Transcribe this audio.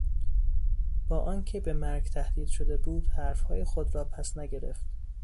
با آنکه به مرگ تهدید شده بود حرفهای خود را پس نگرفت.